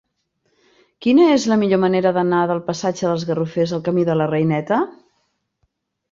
Quina és la millor manera d'anar del passatge dels Garrofers al camí de la Reineta?